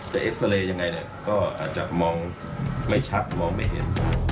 จะเอ็กซาเรย์อย่างไรก็อาจจะมองไม่ชัดมองไม่เห็น